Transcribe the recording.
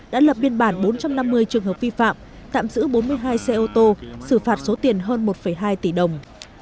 đã lập biên bản bốn trăm năm mươi trường hợp vi phạm tạm giữ bốn mươi hai xe ô tô xử phạt số tiền hơn một hai tỷ đồng